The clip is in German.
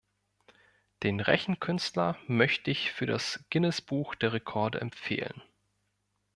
Den Rechenkünstler möchte ich für das Guinnessbuch der Rekorde empfehlen!